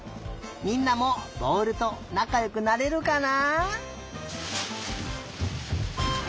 みんなもぼおるとなかよくなれるかな？